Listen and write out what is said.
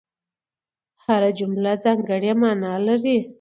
هره جمله ځانګړې مانا لري.